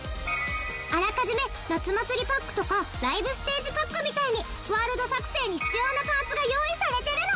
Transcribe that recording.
あらかじめ夏祭りパックとかライブステージパックみたいにワールド作成に必要なパーツが用意されてるの！